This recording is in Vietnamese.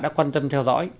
đã quan tâm theo dõi